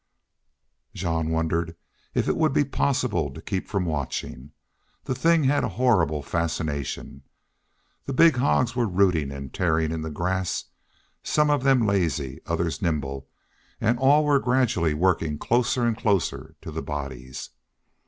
Jean wondered if it would be possible to keep from watching. The thing had a horrible fascination. The big hogs were rooting and tearing in the grass, some of them lazy, others nimble, and all were gradually working closer and closer to the bodies.